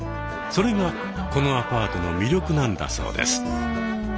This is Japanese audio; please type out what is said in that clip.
それがこのアパートの魅力なんだそうです。